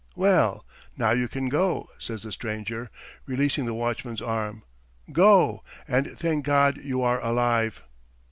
"Well, now you can go," says the stranger, releasing the watchman's arm. "Go and thank God you are alive!"